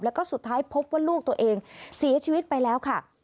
แล้วก็สุดท้ายพบว่าลูกตัวเองเสียชีวิตไปแล้วค่ะ